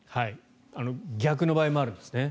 逆の場合もあるんですね。